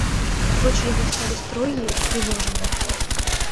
Вочы яго сталі строгія і трывожныя.